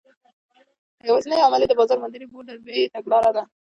یوازینی عامل یې د بازار موندنې بورډ د بیو تګلاره ده.